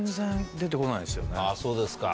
あぁそうですか。